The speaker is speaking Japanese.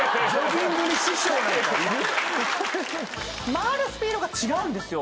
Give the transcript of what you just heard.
回るスピードが違うんですよ。